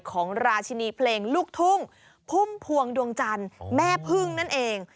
ของราชินีเพลงลุกทุงภุ่มภวงดวงจันทร์แม่พึง